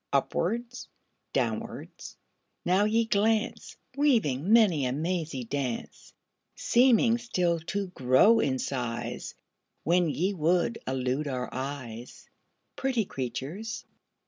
Upwards, downwards, now ye glance, Weaving many a mazy dance; Seeming still to grow in size When ye would elude our eyes Pretty creatures!